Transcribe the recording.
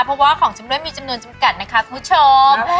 เพราะว่าของจำด้วยมีจำนวนจำกัดนะคะคุณผู้ชม